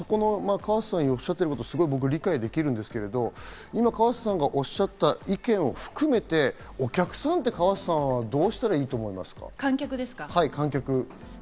河瀬さんがおっしゃってること、僕、理解できるんですけど、今、河瀬さんがおっしゃった意見を含めて、お客さんって河瀬さんはどうしたらいいと思いますか？